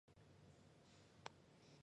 会稽郡余姚人。